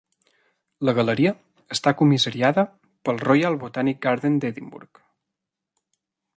La galeria està comissariada pel Royal Botanic Garden d'Edimburg.